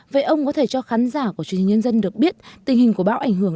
vậy ông có thể cho khán giả của truyền hình nhân dân được biết tình hình của bão ảnh hưởng